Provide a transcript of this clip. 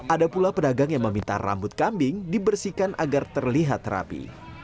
ada pula pedagang yang meminta rambut kambing dibersihkan agar terlihat rapi